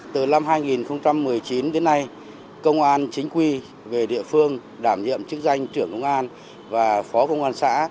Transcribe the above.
từ năm hai nghìn một mươi chín đến nay công an chính quy về địa phương đảm nhiệm chức danh trưởng công an và phó công an xã